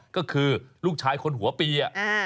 ก็คือลูกชายคนหัวปี